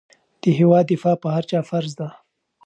د هېواد دفاع په هر چا فرض ده.